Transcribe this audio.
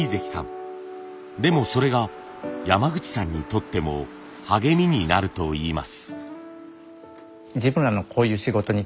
でもそれが山口さんにとっても励みになるといいます。